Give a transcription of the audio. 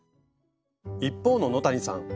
一方の野谷さん